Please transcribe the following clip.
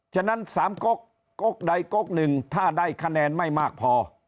ฉะนั้นสามก๊อกก๊อกใดก๊อกหนึ่งถ้าได้คะแนนไม่มากพอ